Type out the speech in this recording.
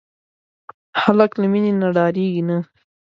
هلک له مینې نه ډاریږي نه.